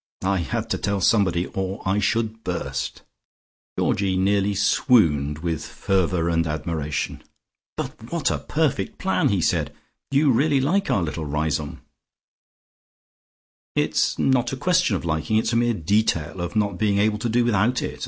I had to tell somebody or I should burst." Georgie nearly swooned with fervour and admiration. "But what a perfect plan!" he said. "You really like our little Riseholme?" "It's not a question of liking; it's a mere detail of not being able to do without it.